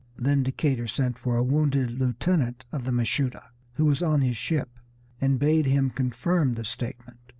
Then Decatur sent for a wounded lieutenant of the Mashuda, who was on his ship, and bade him confirm the statement.